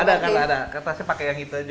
ada karena ada kertasnya pakai yang itu aja